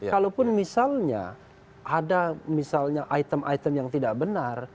kalaupun misalnya ada misalnya item item yang tidak benar